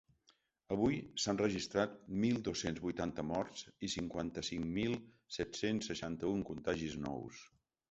Avui s’han registrat mil dos-cents vuitanta morts i cinquanta-cinc mil set-cents seixanta-un contagis nous.